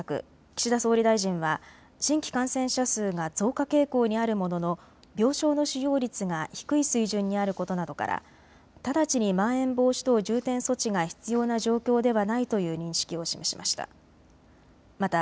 岸田総理大臣は新規感染者数が増加傾向にあるものの病床の使用率が低い水準にあることなどから直ちにまん延防止等重点措置が必要な状況ではないという認識を示しました。